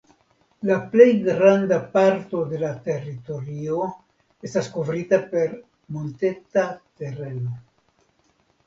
La plej granda parto de la teritorio estas kovrita per monteta tereno.